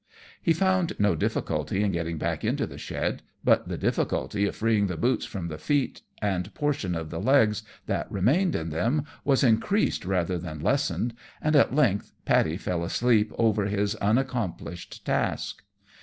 He found no difficulty in getting back into the shed, but the difficulty of freeing the boots from the feet and portion of the legs that remained in them was increased rather than lessened; and at length Paddy fell asleep over his unaccomplished task.